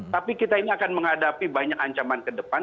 tapi kita ini akan menghadapi banyak ancaman ke depan